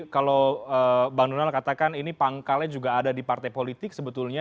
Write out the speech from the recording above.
kalau bang donald katakan ini pangkalnya juga ada di partai politik sebetulnya